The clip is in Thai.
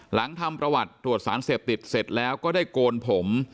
หลังทำประวัติตรวจสารเสพติดเสร็จแล้วก็ได้โกนผม